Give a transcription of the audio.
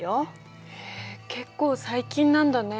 へえ結構最近なんだね。